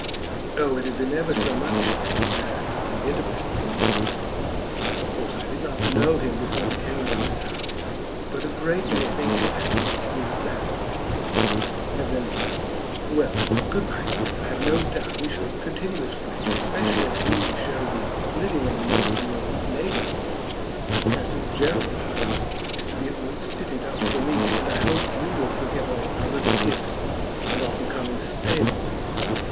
"Oh, it had been ever so much before that, the intimacy at least. Of course I did not know him before he came to this house. But a great many things have happened since that; have there not? Well, good bye, dear. I have no doubt we shall continue as friends, especially as we shall be living almost in the neighbourhood. Castle Gerald is to be at once fitted up for me, and I hope you will forget all our little tiffs, and often come and stay with me."